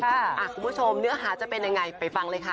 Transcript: คุณผู้ชมเนื้อหาจะเป็นยังไงไปฟังเลยค่ะ